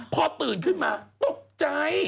พอตื่นขึ้นมาตกใจ